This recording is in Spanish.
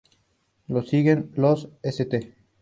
Lo siguen los St.